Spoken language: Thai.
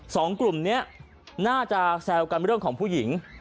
สองกลุ่มนี้น่าจะแซวกันเรื่องของผู้หญิง